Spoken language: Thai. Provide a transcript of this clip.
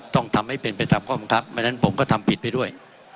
ต้องทำให้เป็นไปตามข้อบังคับเพราะฉะนั้นผมก็ทำผิดไปด้วย